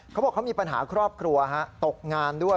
เขาบอกเขามีปัญหาครอบครัวตกงานด้วย